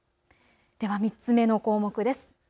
では３つ目の項目です。